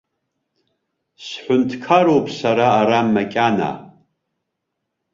Сҳәынҭқаруп сара ара макьана!